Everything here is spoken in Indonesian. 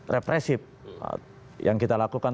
represif yang kita lakukan